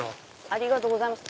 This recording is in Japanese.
ありがとうございます。